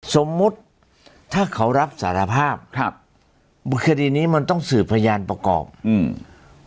สมมุติถ้าเขารับสารภาพครับคดีนี้มันต้องสืบพยานประกอบอืม